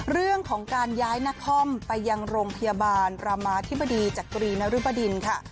เรื่องของการย้ายนครไปยังโรงพยาบาลรามาธิบดีจักรีนรุบดินค่ะ